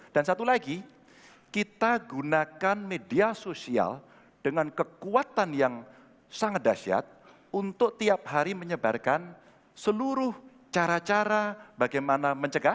dan satu lagi kita gunakan media sosial dengan kekuatan yang sangat dasyat untuk tiap hari menyebarkan seluruh cara cara bagaimana mencegah bagaimana menanggulangi